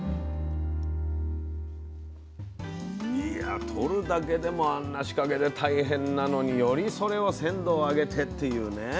いやとるだけでもあんな仕掛けで大変なのによりそれを鮮度を上げてっていうね。